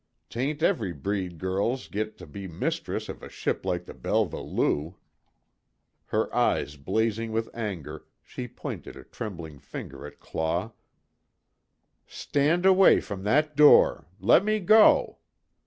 'Tain't every breed girl gits to be mistress of a ship like the Belva Lou." Her eyes blazing with anger, she pointed a trembling finger at Claw: "Stand away from that door! Let me go!"